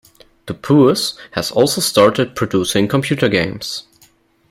Dupuis has also started producing computer games.